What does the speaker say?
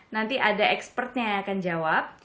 nanti ada expertnya yang akan jawab